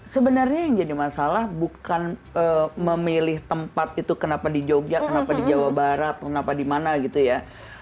sebenarnya yang jadi masalah bukan memilih tempat itu kenapa di jogja kenapa di jawa barat kenapa di mana gitu ya